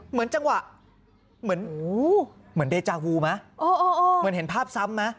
เหมือนจังหวะเหมือนเหมือนเหมือนเหมือนเห็นภาพซ้ำมา